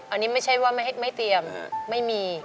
อันนี้ไม่ใช่ว่าไม่เตรียมไม่มี